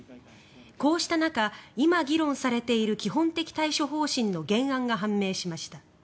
こうした中、今議論されている基本的対処方針の原案が判明しました。